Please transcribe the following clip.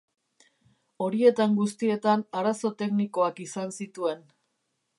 Horietan guztietan arazo teknikoak izan zituen.